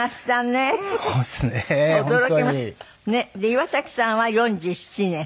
岩崎さんは４７年。